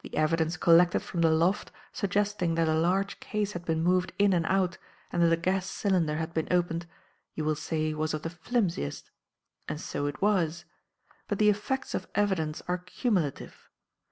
"The evidence collected from the loft, suggesting that a large case had been moved in and out and that a gas cylinder had been opened, you will say was of the flimsiest. And so it was. But the effects of evidence are cumulative.